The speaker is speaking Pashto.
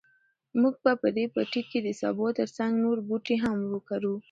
موږ به په دې پټي کې د سابو تر څنګ نور بوټي هم وکرو.